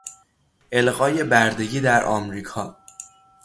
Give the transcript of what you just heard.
الغای بردگی در امریکا